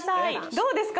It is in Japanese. どうですか？